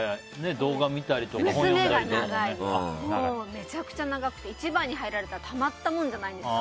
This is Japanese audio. めちゃくちゃ長くて一番に入られたらたまったもんじゃないんですよ。